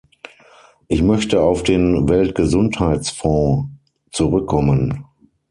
Ich möchte auf den Weltgesundheitsfonds zurückkommen.